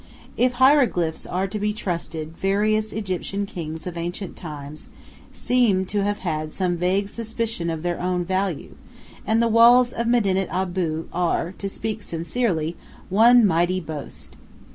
If hieroglyphs are to be trusted, various Egyptian kings of ancient times seem to have had some vague suspicion of their own value, and the walls of Medinet Abu are, to speak sincerely, one mighty boast.